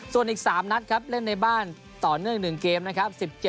ส่วนอีก๓นัดครับเล่นในบ้านต่อเนื่อง๑เกมนะครับ